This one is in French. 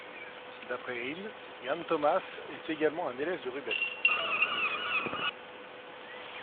D'après Hind, Jan Thomas est également un élève de Rubens.